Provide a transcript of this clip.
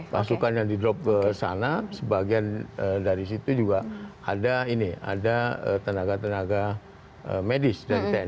pasukan yang di drop ke sana sebagian dari situ juga ada ini ada tenaga tenaga medis dari tni